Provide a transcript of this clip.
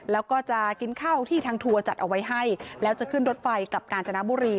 แล้วก็จะกินข้าวที่ทางทัวร์จัดเอาไว้ให้แล้วจะขึ้นรถไฟกลับกาญจนบุรี